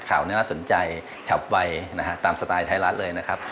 ข่าวน่าสนใจฉับไวตามสไตล์ไทรัตท์เลยนะครับ